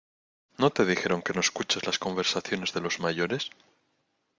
¿ no te dijeron que no escuches las conversaciones de los mayores?